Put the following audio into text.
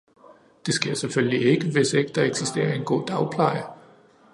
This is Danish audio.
Det sker selvfølgelig ikke, hvis ikke der eksisterer en god dagpleje.